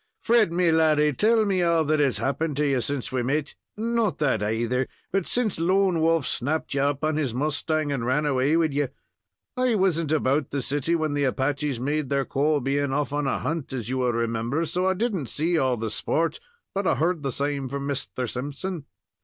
"Fred, me laddy, tell me all that has happened to you since we met not that, aither, but since Lone Wolf snapped you up on his mustang, and ran away wid you. I wasn't about the city when the Apaches made their call, being off on a hunt, as you will remember, so I didn't see all the sport, but I heard the same from Misther Simpson."